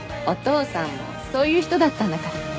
お父さんもそういう人だったんだから。